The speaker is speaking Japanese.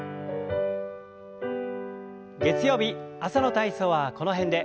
月曜日朝の体操はこの辺で。